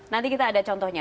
nanti kita ada contohnya